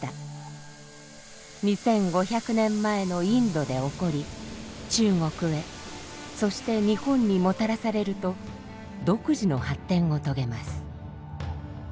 ２，５００年前のインドで起こり中国へそして日本にもたらされると独自の発展を遂げます。